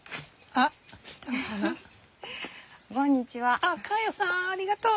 あっ香代さんありがとう！